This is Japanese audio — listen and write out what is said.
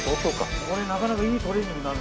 これなかなかいいトレーニングになるな。